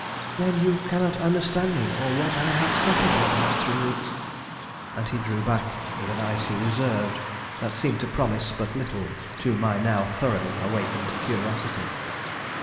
"Then you cannot understand me, or what I have suffered these last three weeks." And he drew back with an icy reserve that seemed to promise but little to my now thoroughly awakened curiosity.